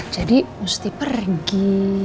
jadi mesti pergi